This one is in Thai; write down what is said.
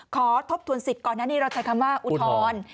ทบทวนสิทธิ์ก่อนหน้านี้เราใช้คำว่าอุทธรณ์